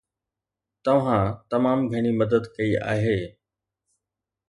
توهان تمام گهڻي مدد ڪئي آهي